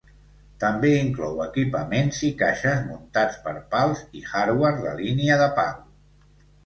També inclou equipaments i caixes muntats per pals i hardware de línia de pal.